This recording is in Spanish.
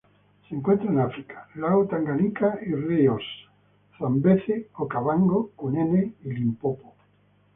Se encuentran en África: lago Tanganika y ríos Zambeze, Okavango, Cunene y Limpopo.